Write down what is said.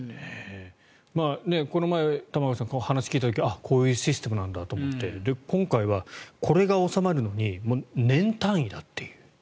この前、玉川さん話を聞いた時にはこういうシステムなんだと思って今回はこれが収まるのに年単位だっていう。